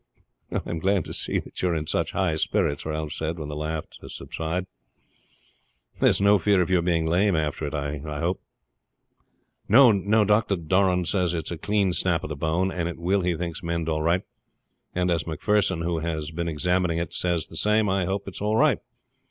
"I am glad to see that you are in such high spirits," Ralph said when the laugh had subsided. "There's no fear of your being lame after it, I hope?" "No, Dr. Doran says it is a clean snap of the bone, and it will, he thinks, mend all right; and as Macpherson, who has been examining it, says the same, I hope it is all right.